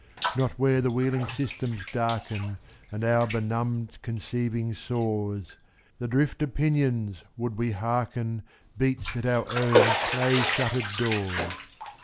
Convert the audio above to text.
Not where the wheeling systems darken, And our benumbed conceiving soars! The drift of pinions, would we hearken, Beats at our own clay shuttered doors.